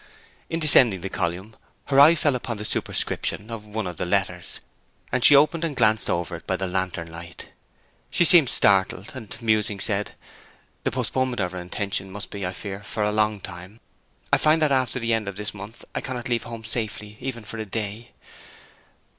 In descending the column her eye fell upon the superscription of one of the letters, and she opened and glanced over it by the lantern light. She seemed startled, and, musing, said, 'The postponement of our intention must be, I fear, for a long time. I find that after the end of this month I cannot leave home safely, even for a day.'